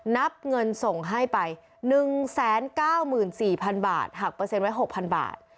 นับเงินส่งให้ไป๑๙๔๐๐๐บาทหักเปอร์เซ็นต์ไว้๖๐๐บาท